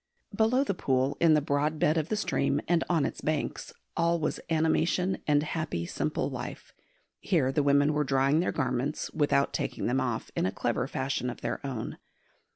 Below the pool, in the broad bed of the stream and on its banks, all was animation and happy simple life. Here the women were drying their garments, without taking them off, in a clever fashion of their own.